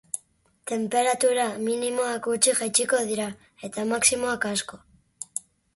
Tenperatura minimoak gutxi jaitsiko dira, eta maximoak, asko.